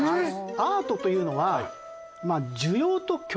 アートというのは。